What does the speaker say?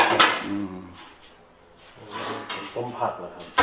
ต้มผักเหรอครับ